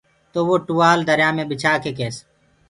تو وو ٽوآل دريآ مي ٻِڇآ ڪي ڪيس۔